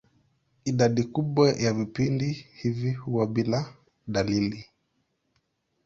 Idadi kubwa ya vipindi hivi huwa bila dalili.